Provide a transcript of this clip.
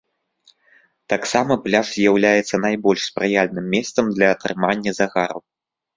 Таксама пляж з'яўляецца найбольш спрыяльным месцам для атрымання загару.